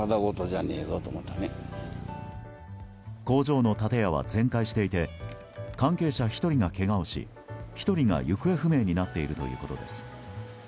工場の建屋は全壊していて関係者１人がけがをし１人が行方不明になっているということです。